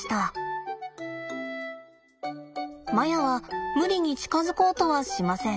マヤは無理に近づこうとはしません。